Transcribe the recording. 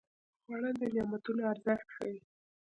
خوړل د نعمتونو ارزښت ښيي